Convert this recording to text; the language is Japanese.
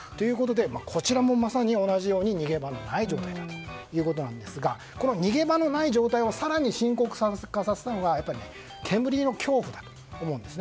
こちらも、まさに同じように逃げ場のない状態だったということですがこの逃げ場のない状態を更に深刻化させたのが煙の恐怖だと思うんですね。